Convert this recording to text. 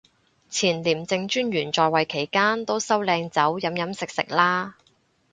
前廉政專員在位期間都收靚酒飲飲食食啦